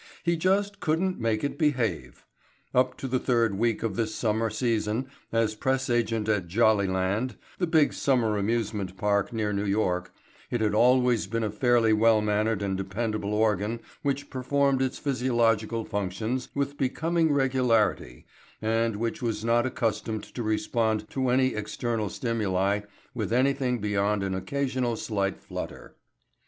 He just couldn't make it behave. Up to the third week of his summer season as press agent at Jollyland, the big summer amusement park near New York, it had always been a fairly well mannered and dependable organ which performed its physiological functions with becoming regularity and which was not accustomed to respond to any external stimuli with anything beyond an occasional slight flutter.